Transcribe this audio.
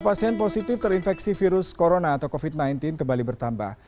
pasien positif terinfeksi virus corona atau covid sembilan belas kembali bertambah